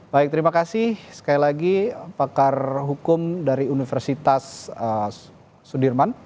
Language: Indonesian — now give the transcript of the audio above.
baik terima kasih sekali lagi pakar hukum dari universitas sudirman